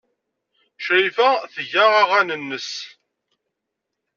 Crifa tga aɣan-nnes.